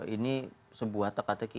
ini sebuah teka teki